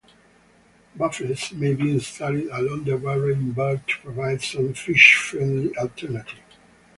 Baffles may be installed along the barrel invert to provide some fish-friendly alternative.